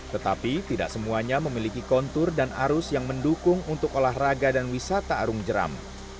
tetapi tidak semuanya memiliki kontur dan arus yang mendukung untuk olahraga dan wisata arung jeram